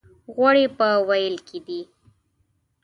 غوړي په وېل کې دي.